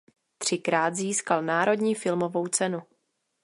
Třikrát získal Národní filmovou cenu.